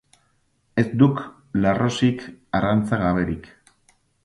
Ez duk larrosik arantza gaberik.